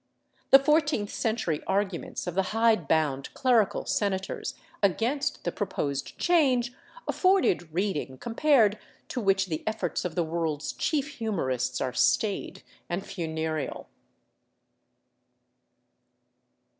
The fourteenth century arguments of the hidebound clerical senators against the proposed change afforded reading com pared to which the efforts of the world's chief humorists are staid and funereal.